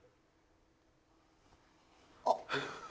あっ！